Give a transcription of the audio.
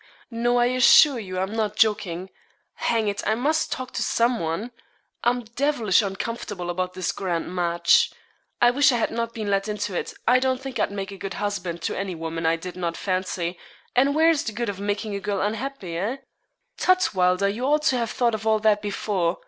No, I assure you, I'm not joking. Hang it! I must talk to some one. I'm devilish uncomfortable about this grand match. I wish I had not been led into it I don't think I'd make a good husband to any woman I did not fancy, and where's the good of making a girl unhappy, eh?' 'Tut, Wylder, you ought to have thought of all that before.